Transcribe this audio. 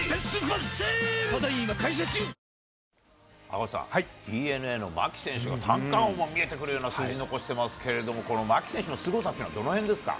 赤星さん、ＤｅＮＡの牧選手が３冠王も見えてくるような数字残してますけれども、この牧選手のすごさっていうのは、どのへんですか。